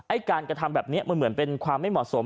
การกระทำแบบนี้มันเหมือนเป็นความไม่เหมาะสม